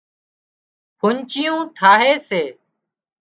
ڦومچيون ٺاهي سي